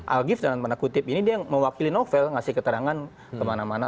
algif dalam tanda kutip ini dia mewakili novel ngasih keterangan kemana mana